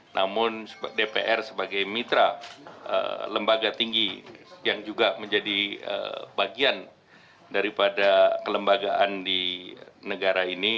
namun dpr sebagai mitra lembaga tinggi yang juga menjadi bagian daripada kelembagaan di negara ini